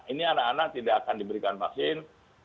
ini anak anak tidak akan diberikan vaksin